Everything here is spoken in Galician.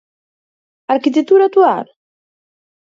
A arquitectura actual?